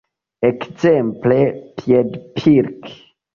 Ekzemple piedpilki.